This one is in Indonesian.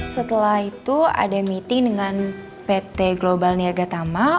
setelah itu ada meeting dengan pt global niaga tama